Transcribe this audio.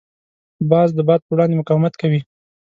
باز د باد په وړاندې مقاومت کوي